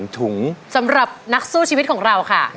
ทำไมครับ